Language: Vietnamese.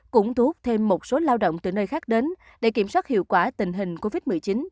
cũng thu hút thêm một số lao động từ nơi khác đến để kiểm soát hiệu quả tình hình covid một mươi chín